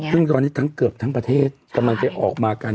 พรุ่งจากวันนี้เกือบทั้งประเทศกำลังจะออกมากัน